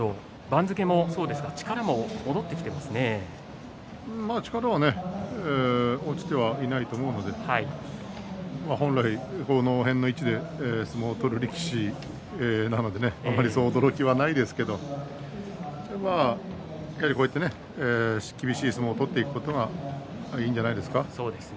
番付もそうですが力は落ちてはいないと思うので本来この辺の位置で相撲を取る力士なのでねあまりそう驚きはないですけどやはり、こうやって厳しい相撲を取っていくことがいいんじゃないですか。